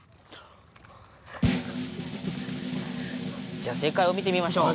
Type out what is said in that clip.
じゃあ正解を見てみましょう。